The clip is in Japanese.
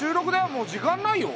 もう時間ないよ。